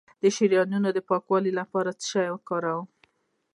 د شریانونو د پاکوالي لپاره څه شی وکاروم؟